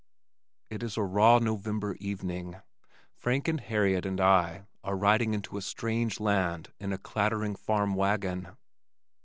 It is a raw November evening. Frank and Harriet and I are riding into a strange land in a clattering farm wagon.